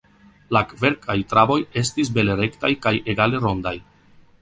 La kverkaj traboj estis bele-rektaj kaj egale-rondaj.